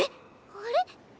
あれ？